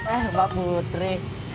eh mbak putri